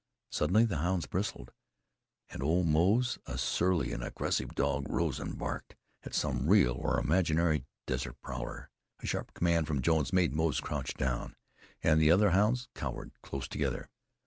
Suddenly the hounds bristled, and old Moze, a surly and aggressive dog, rose and barked at some real or imaginary desert prowler. A sharp command from Jones made Moze crouch down, and the other hounds cowered close together.